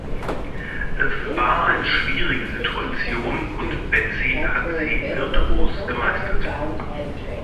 Es war eine schwierige Situation und Betsy hat sie virtuos gemeistert.